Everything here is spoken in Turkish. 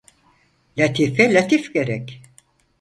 Latife latif gerek.